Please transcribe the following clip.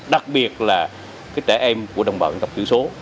đặc biệt là cái trẻ em của đồng bào dân tộc tử số